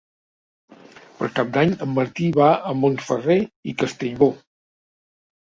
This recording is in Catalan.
Per Cap d'Any en Martí va a Montferrer i Castellbò.